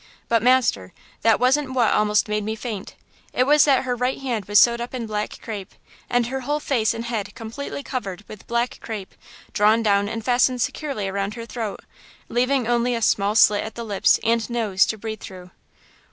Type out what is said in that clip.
But, master, that wasn't what almost made me faint–it was that her right hand was sewed up in black crape, and her whole face and head completely covered with black crape drawn down and fastened securely around her throat, leaving only a small slit at the lips and nose to breathe through!"